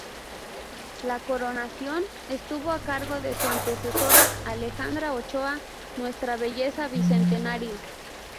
La coronación estuvo a cargo de su antecesora Alejandra Ochoa, Nuestra Belleza Bicentenario.